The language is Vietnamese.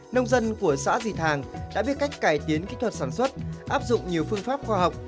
nông dân của xã dị thàng đã biết cách cải tiến kỹ thuật sản xuất áp dụng nhiều phương pháp khoa học